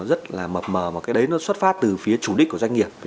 mà mập mờ mà cái đấy nó xuất phát từ phía chủ đích của doanh nghiệp